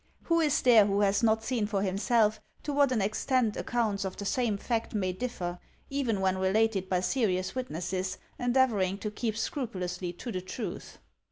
Who is there who has not seen for himself to what an extent accounts of the same fact may diflFer, even when related by serious witnesses endeav ouring to keep scrupulously to the truth?